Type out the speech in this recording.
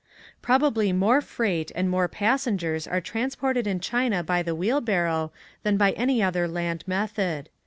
Probably more freight and more pas sengers are transported in China by the wheelbarrow than by any other land method.